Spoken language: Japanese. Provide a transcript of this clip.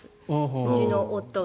うちの夫が。